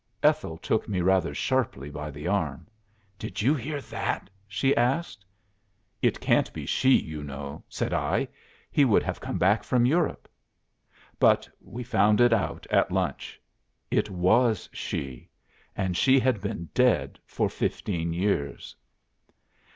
'" "Ethel took me rather sharply by the arm. 'Did you hear that?' she asked." "'It can't be she, you know,' said I. 'He would have come back from Europe.'" "But we found it out at lunch. It was she, and she had been dead for fifteen years."